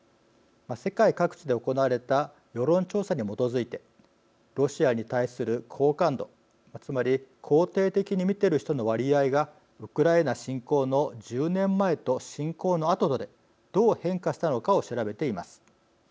世界各地で行われた世論調査に基づいてロシアに対する好感度つまり肯定的に見ている人の割合がウクライナ侵攻の１０年前と侵攻のあととでどう変化したのかを調べています。